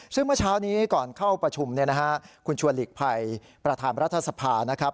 ซึ่งเมื่อเช้านี้ก่อนเข้าประชุมเนี่ยนะฮะคุณชวนหลีกภัยประธานรัฐสภานะครับ